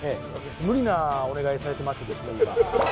無理なお願いされてましてですね今。